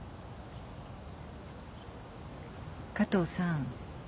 加藤さん。